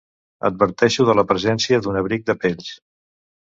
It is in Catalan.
Adverteixo de la presència d'un abric de pells.